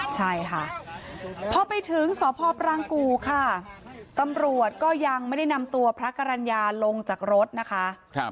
ใช่ค่ะพอไปถึงสพปรางกูค่ะตำรวจก็ยังไม่ได้นำตัวพระกรรณญาลงจากรถนะคะ